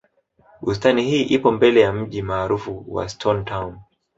bustani hii ipo mbele ya mji maarufu wa stone town